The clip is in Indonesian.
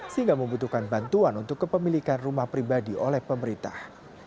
sehingga membutuhkan bantuan untuk kepemilikan rumah pribadi oleh pemerintah